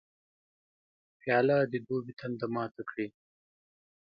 پیاله د دوبي تنده ماته کړي.